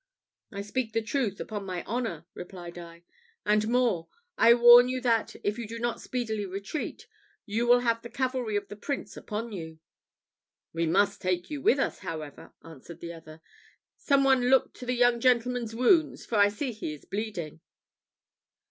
"I speak the truth, upon my honour," replied I; "and more, I warn you that, if you do not speedily retreat, you will have the cavalry of the Prince upon you." "We must take you with us, however," answered the other. "Some one look to the young gentleman's wounds, for I see he is bleeding."